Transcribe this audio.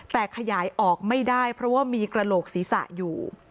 แต่ขยายออกไม่ได้เพราะว่ามีกระโหลกศีรษะอยู่